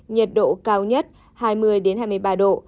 nhiệt độ cao nhất hai mươi hai mươi ba độ